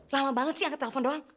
lama banget sih yang ketelpon doang